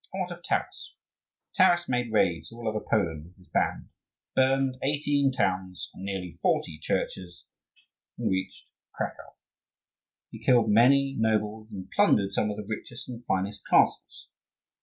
And what of Taras? Taras made raids all over Poland with his band, burned eighteen towns and nearly forty churches, and reached Cracow. He killed many nobles, and plundered some of the richest and finest castles.